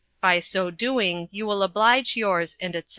By so doing you will oblidge yours & Etc."